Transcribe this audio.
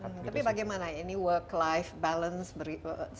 tapi bagaimana ini work life balance berikutnya